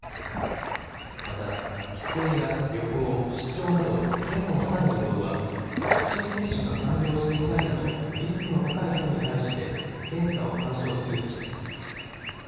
また、帰省や旅行、出張など県をまたぐ移動はワクチン接種が完了していないなどリスクの高い人に対して検査を勧奨するとしています。